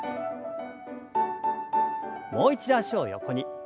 もう一度脚を横に。